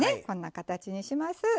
こんな形にします。